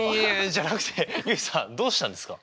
じゃなくて結衣さんどうしたんですか？